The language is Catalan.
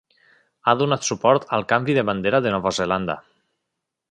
Ha donat suport al canvi de bandera de Nova Zelanda.